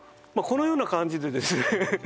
このような感じでですね